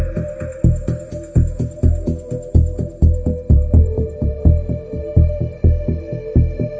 เพื่อปฒรมสำราจิตด่วนและกลับไหว้